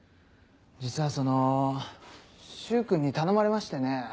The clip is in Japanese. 実はその柊君に頼まれましてね。